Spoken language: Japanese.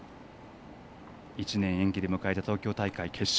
１年延期で迎えた東京大会決勝。